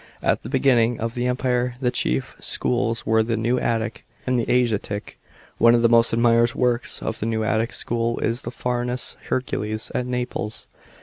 At the beginning of the Empire the chief schools were the Mew Attic and the Asiatic. One of the most admired works of the " New Attic " school is the Farnese Hercules (at Naples).